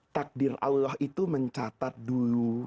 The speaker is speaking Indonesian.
takdir allah itu mencatat dulu